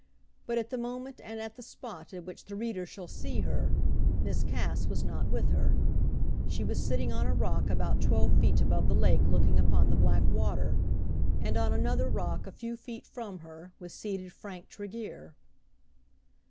But at the moment and at the spot at which the reader shall see her, Miss Cass was not with her. She was sitting on a rock about twelve feet above the lake looking upon the black water; and on another rock a few feet from her was seated Frank Tregear.